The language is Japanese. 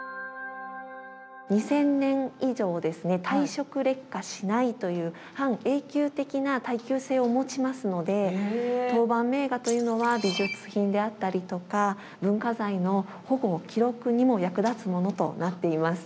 これにでもという半永久的な耐久性を持ちますので陶板名画というのは美術品であったりとか文化財の保護・記録にも役立つものとなっています。